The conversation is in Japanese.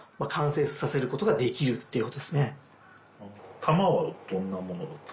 弾はどんなものを？